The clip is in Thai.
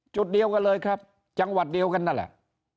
จุดเดียวกันเลยครับจังหวัดเดียวกันนั่นแหละ